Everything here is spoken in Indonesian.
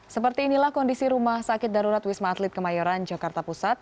seperti inilah kondisi rumah sakit darurat wisma atlet kemayoran jakarta pusat